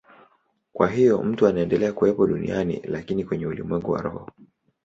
Kwa hiyo mtu anaendelea kuwepo duniani, lakini kwenye ulimwengu wa roho.